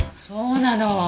そうなの。